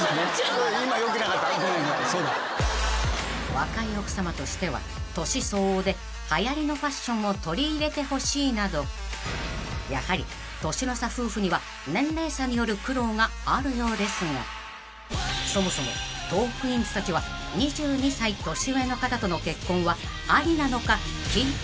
［若い奥さまとしては年相応で流行りのファッションを取り入れてほしいなどやはり年の差夫婦には年齢差による苦労があるようですがそもそもトークィーンズたちは２２歳年上の方との結婚はありなのか聞いてみると］